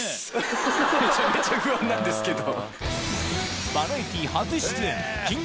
めちゃめちゃ不安なんですけど。